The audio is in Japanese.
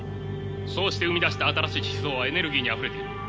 そうして生み出した新しい思想はエネルギーにあふれている。